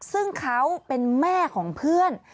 ซึ่งเขาเป็นแม่ของเพื่อน